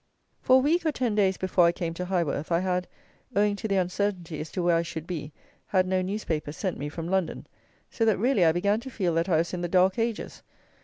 For a week or ten days before I came to Highworth I had, owing to the uncertainty as to where I should be, had no newspapers sent me from London; so that, really, I began to feel that I was in the "dark ages."